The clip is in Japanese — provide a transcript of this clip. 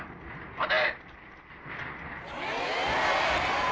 待て！